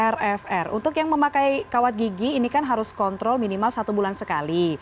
rfr untuk yang memakai kawat gigi ini kan harus kontrol minimal satu bulan sekali